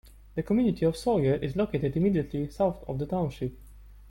The community of Sawyer is located immediately south of the township.